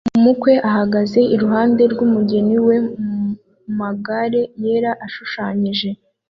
Umukwe ahagaze iruhande rwumugeni we mumagare yera ashushanyije